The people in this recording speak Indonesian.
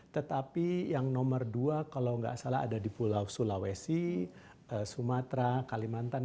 tetapi yang nomor dua kalau nggak salah ada di pulau sulawesi sumatera kalimantan